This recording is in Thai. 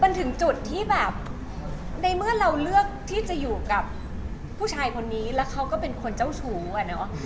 มันถึงจุดที่แบบในเมื่อเราเลือกที่จะอยู่กับผู้ชายคนนี้แล้วเขาก็เป็นคนเจ้าชู้อะเนาะ